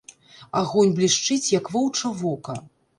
Агонь блішчыць, як воўча вока